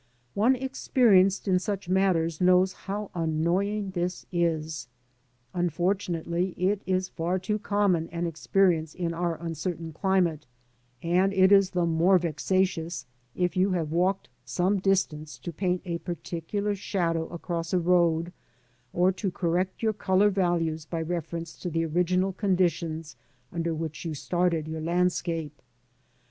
One experienced in such matters knows how annoying this is. Unfortunately it is far too common an experience in our uncertain climate, and it is the more vexatious if you have walked some distance to paint a particular shadow across a road, or to correct your colour values by reference to the original conditions under which you started your landscape.